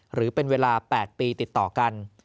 หรือเป็นเวลา๘ปีติดต่อกัน